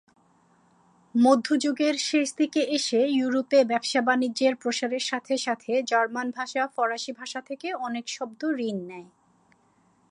মধ্যযুগের শেষ দিকে এসে ইউরোপে ব্যবসা-বাণিজ্যের প্রসারের সাথে সাথে জার্মান ভাষা ফরাসি ভাষা থেকে অনেক শব্দ ঋণ নেয়।